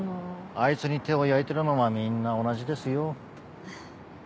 あいつに手を焼いてるのはみんな同じですよ。